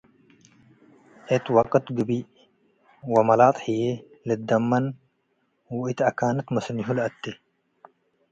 እት ወቅት ግብእ ወመላጥ ህዬ ልትደመን ወእት አካነት መስኒሁ ለአቴ ።